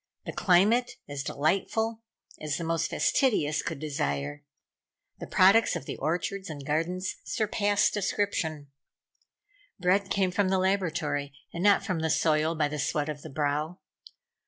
The climate as delightful as the most fastidious could desire. The products of the orchards and gardens surpassed description. Bread came from the laboratory, and not from the soil by the sweat of the brow.